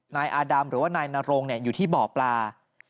นายอาดำหรือว่านายนรงอยู่ที่บ่อปลา